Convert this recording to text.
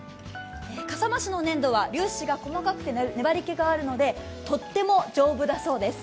笠間市の粘土は粒子が細かくて粘りけがあるので、とっても丈夫だそうです。